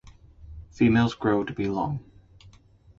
Females grow to be long.